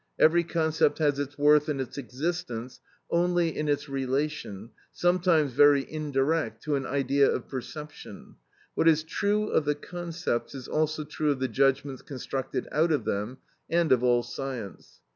Every concept has its worth and its existence only in its relation, sometimes very indirect, to an idea of perception; what is true of the concepts is also true of the judgments constructed out of them, and of all science.